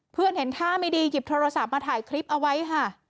เห็นท่าไม่ดีหยิบโทรศัพท์มาถ่ายคลิปเอาไว้ค่ะ